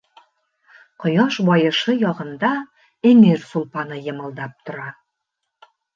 Ҡояш байышы яғында эңер сулпаны йымылдап тора.